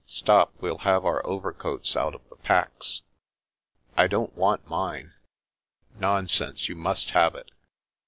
Stop, we'll have our overcoats out of the packs." " I don't want mine." " Nonsense ; you must have it."